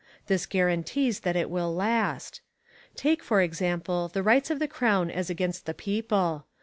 This guarantees that it will last. Take for example the rights of the Crown as against the people.